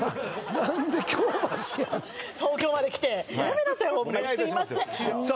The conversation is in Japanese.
何で京橋や東京まで来てやめなさいホンマにすいませんさあ